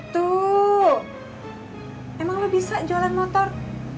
tuh emang lo bisa jualan motor